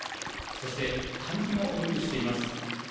そして、換気もよくしています。